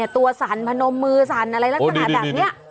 ตัวสั่นผนมมือสั่นอะไรราคมหาดแบบนี้